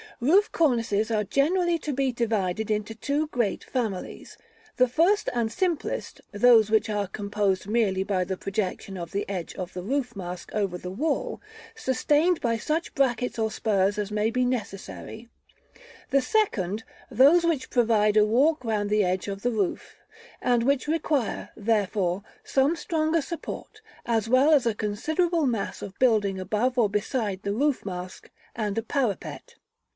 Roof cornices are generally to be divided into two great families: the first and simplest, those which are composed merely by the projection of the edge of the roof mask over the wall, sustained by such brackets or spurs as may be necessary; the second, those which provide a walk round the edge of the roof, and which require, therefore, some stronger support, as well as a considerable mass of building above or beside the roof mask, and a parapet.